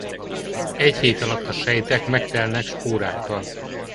Egy hét alatt a sejtek megtelnek spórákkal.